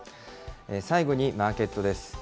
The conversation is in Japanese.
最後にマーケットです。